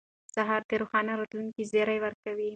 سهار د روښانه راتلونکي زیری ورکوي.